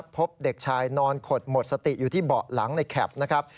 พบเด็กชายนอนขดหมดสติอยู่ที่เบาะหลังในแคปนะครับ